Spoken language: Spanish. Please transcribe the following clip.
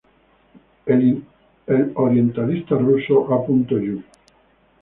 El orientalista ruso A. Yu.